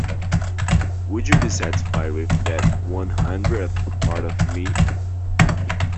Would you be satisfied with that one hundredth part of me.